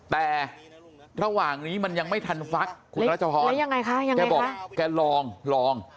แต่ระหว่างนี้มันยังไม่ทันฟักคุณรัชพรแกบอกแกลองลอง